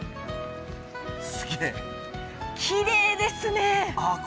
きれいですね。